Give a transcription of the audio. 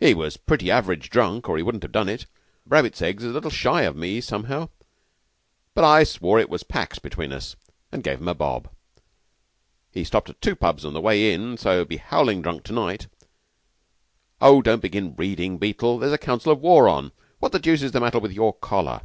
"He was pretty average drunk, or he wouldn't have done it. Rabbits Eggs is a little shy of me, somehow. But I swore it was pax between us, and gave him a bob. He stopped at two pubs on the way in, so he'll be howling drunk to night. Oh, don't begin reading, Beetle; there's a council of war on. What the deuce is the matter with your collar?"